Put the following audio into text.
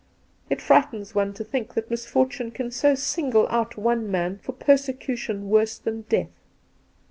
It frightens one to think that misfortune can so single out one man for persecution worse than death.